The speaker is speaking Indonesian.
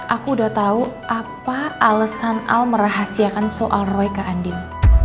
aku udah tau apa alesan al merahasiakan soal roy ke andin